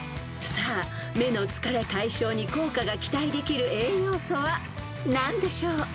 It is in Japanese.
［さあ目の疲れ解消に効果が期待できる栄養素は何でしょう？］